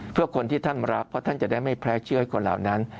เพื่อคนที่ท่านรับเพราะท่านจะได้ไม่แพ้เชื่อให้คนเหล่านั้น